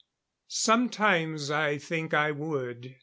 Sometimes I think I would."